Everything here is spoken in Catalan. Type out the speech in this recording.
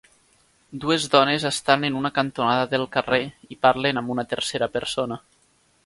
Dues dones estan en una cantonada del carrer i parlen amb una tercera persona